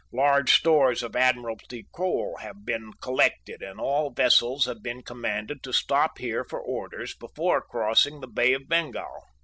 Large stores of Admiralty coal have been collected and all vessels have been commanded to stop here for orders before crossing the Bay of Bengal.